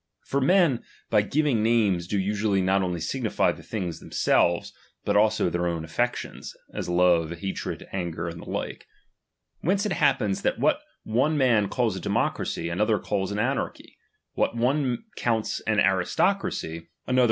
For men, by giving Hames, do usually not only signify the things them selves, but also their own affections, as love, ha tred, anger, and the like. Whence it happens that ^ivbat one man calls a democracy, another calls an ctnarchy ; what one counts au aristocracy, another 94 DOMINION. CHAP.